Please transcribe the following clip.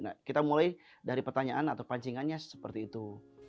nah kita mulai dari pertanyaan atau pancingannya seperti itu